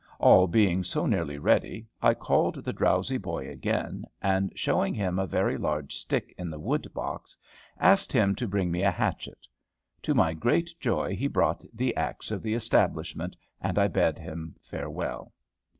All being so nearly ready, I called the drowsy boy again, and, showing him a very large stick in the wood box, asked him to bring me a hatchet. To my great joy he brought the axe of the establishment, and I bade him farewell.